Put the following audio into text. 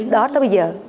đó tới bây giờ